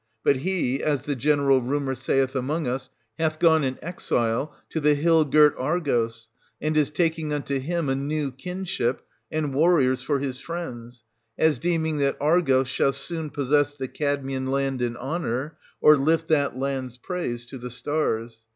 But he, as the general rumour saith among us, hath gone, an exile, to the hill girt Argos, and is taking unto him a new kinship, and warriors for his friends, — as deeming that Argos shall 380 soon possess the Cadmean land in honour, or lift that land's praise to the stars.